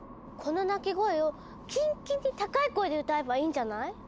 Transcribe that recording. この鳴き声をキンキンに高い声で歌えばいいんじゃない？